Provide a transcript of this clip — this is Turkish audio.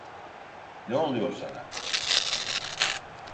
Ne oluyor sana?